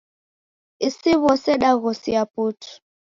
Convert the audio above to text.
Isi w'ose daghosia putu.